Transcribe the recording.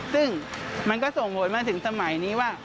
ซึ่งมันก็ส่งผลมาถึงสมัยนี้ว่า